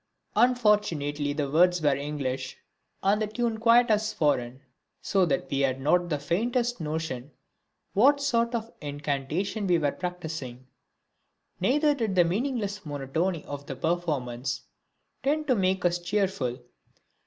Unfortunately the words were English and the tune quite as foreign, so that we had not the faintest notion what sort of incantation we were practising; neither did the meaningless monotony of the performance tend to make us cheerful.